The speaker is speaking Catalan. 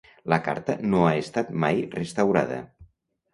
La Carta no ha estat mai restaurada.